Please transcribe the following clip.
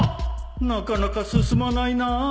なかなか進まないなあ